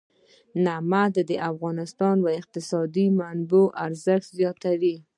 نمک د افغانستان د اقتصادي منابعو ارزښت زیاتوي.